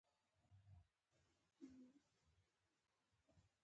د فرهنګ ناتواني باید وپېژندل شي